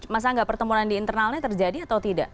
mas angga pertempuran di internalnya terjadi atau tidak